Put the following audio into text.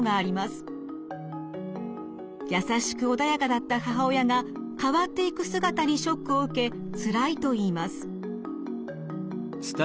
優しく穏やかだった母親が変わっていく姿にショックを受けつらいと言います。